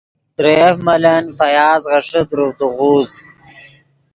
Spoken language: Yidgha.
ترے یف ملن فیاض غیݰے دروڤدے غوز